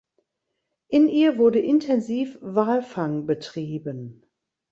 In ihr wurde intensiv Walfang betrieben.